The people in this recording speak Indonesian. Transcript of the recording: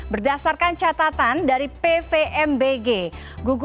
berdasarkan catatan dari pvmbg